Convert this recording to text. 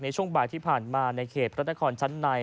ช่วงบ่ายที่ผ่านมาในเขตพระนครชั้นใน